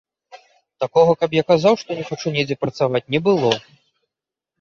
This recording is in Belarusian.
Такога, каб я казаў, што не хачу недзе працаваць, не было.